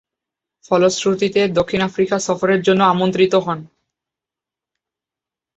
ফলশ্রুতিতে দক্ষিণ আফ্রিকা সফরের জন্য আমন্ত্রিত হন।